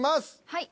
はい。